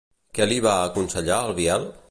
Què li va aconsellar al Biel?